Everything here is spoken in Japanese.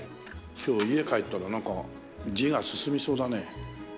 今日家帰ったらなんか字が進みそうだね。